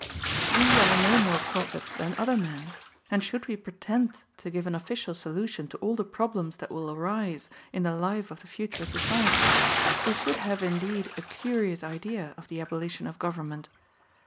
We are no more prophets than other men; and should we pretend to give an official solution to all the problems that will arise in the life of the future society, we should have indeed a curious idea of the abolition of government.